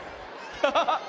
ハハハ！